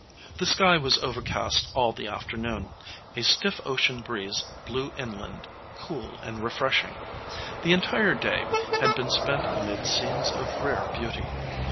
The sky was overcast all the afternoon. A stiff ocean breeze blew inland, cool and refreshing. The entire day had been spent amid scenes of rare beauty.